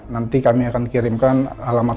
nanti kami akan kirimkan alamat